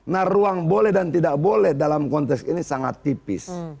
nah ruang boleh dan tidak boleh dalam konteks ini sangat tipis